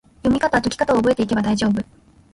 読みかた・解きかたを覚えていけば大丈夫！